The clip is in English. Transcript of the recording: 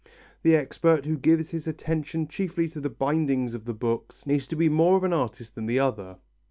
The expert who gives his attention chiefly to the bindings of the books needs to be more of an artist than the other.